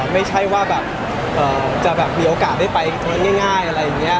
ไม่ใช่ว่าแบบจะแบบมีโอกาสได้ไปง่ายอะไรอย่างนี้